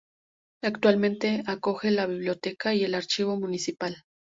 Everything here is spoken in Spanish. Actualmente acoge la Biblioteca y el Archivo Municipal.